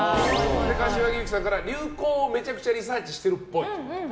柏木由紀さんから流行をめちゃくちゃリサーチしてるっぽい。